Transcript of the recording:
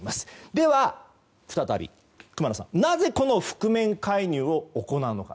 では、再び熊野さん、なぜこの覆面介入を行うのか。